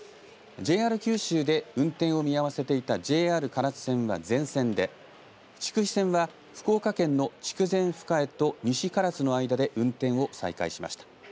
ＪＲ九州で運転を見合わせていたＪＲ唐津線は全線で筑肥線は福岡県の筑前深江と西唐津の間で運転を再開しました。